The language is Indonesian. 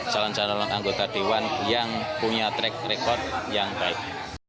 calon calon anggota dewan yang punya track record yang baik